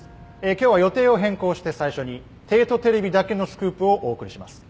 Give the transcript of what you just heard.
今日は予定を変更して最初に帝都テレビだけのスクープをお送りします。